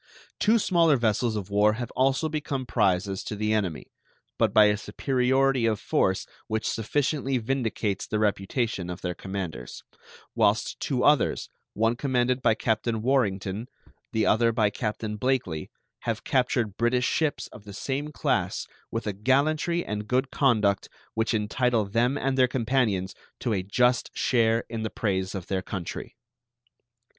Two smaller vessels of war have also become prizes to the enemy, but by a superiority of force which sufficiently vindicates the reputation of their commanders, whilst two others, one commanded by Captain Warrington, the other by Captain Blakely, have captured British ships of the same class with a gallantry and good conduct which entitle them and their companions to a just share in the praise of their country.